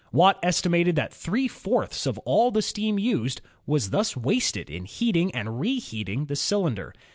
Watt estimated that three fourths of all the steam used was thus wasted in heating and re heating the cylinder.